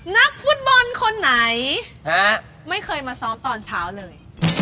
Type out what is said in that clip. นักฟุตบอลคนไหนไม่เคยมาซ้อมตอนเช้าเลย